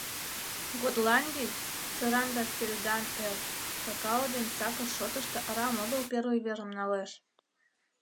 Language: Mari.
Годландий, сыран да сельдан эл, какао ден сакыр шотышто арам огыл первый верым налеш.